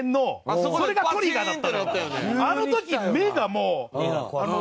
あの時目がもう。